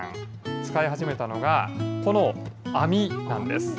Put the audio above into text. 使い始めたのが、この網なんです。